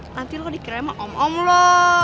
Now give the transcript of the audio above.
nanti lo dikira sama om om lo